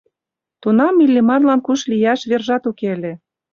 Тунам Иллимарлан куш лияш вержат уке ыле.